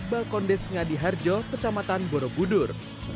balkon desngadi harjo kecamatan borobudur